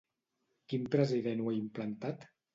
Quin president ho ha implantat?